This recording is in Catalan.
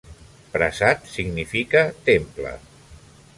Prasat significa "temple".